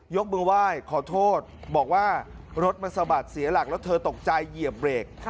ยกมือไหว้ขอโทษบอกว่ารถมันสะบัดเสียหลักแล้วเธอตกใจเหยียบเบรก